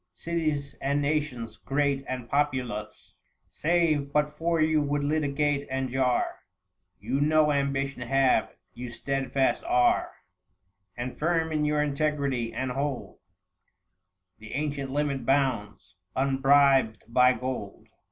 Cities and nations, great and populous, 705 Save but for you would litigate and jar. You no ambition have, you steadfast are And firm in your integrity, and hold The ancient limit bounds, unbribed by gold.